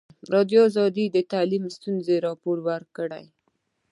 ازادي راډیو د تعلیم ستونزې راپور کړي.